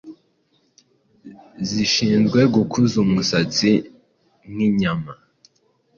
zishinzwe gukuza umusatsi nk’inyama,